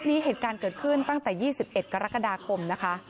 เหตุการณ์เกิดขึ้นตั้งแต่๒๑กรกฎาคมนะคะ